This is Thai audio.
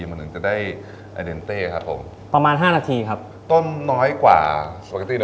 เหมือนหนึ่งจะได้ครับผมประมาณห้านาทีครับต้มน้อยกว่าเนอะ